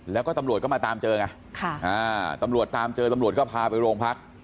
แล้วก็ตำรวจก็มาตามเจอไงตำรวจตามเจอตำรวจก็พาไปโรงพัก